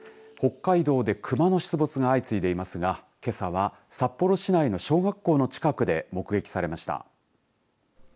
北海道で熊の出没が相次いでいますがけさは札幌市内の小学校の近くで目撃されました。